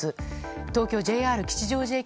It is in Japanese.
東京ＪＲ吉祥寺駅